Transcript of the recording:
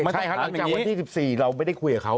หลังจากวันที่๑๔เราไม่ได้คุยกับเขา